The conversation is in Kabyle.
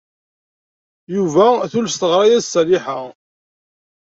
Yuba tules teɣra-as-d Ṣaliḥa.